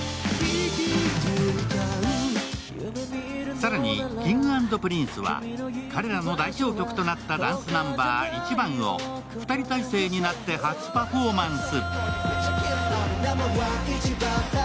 更に、Ｋｉｎｇ＆Ｐｒｉｎｃｅは彼らの代表曲となったダンスナンバー「ｉｃｈｉｂａｎ」を２人体制になって初パフォーマンス。